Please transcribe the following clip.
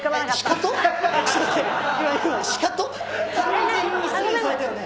完全にスルーされたよね